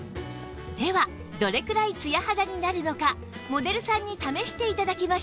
ではどれくらいツヤ肌になるのかモデルさんに試して頂きましょう